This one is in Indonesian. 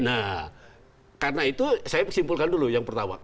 nah karena itu saya simpulkan dulu yang pertama